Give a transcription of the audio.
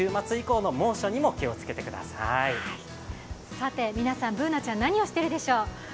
さて皆さん、Ｂｏｏｎａちゃん何をしてるでしょう？